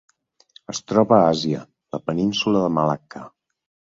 Es troba a Àsia: la península de Malacca.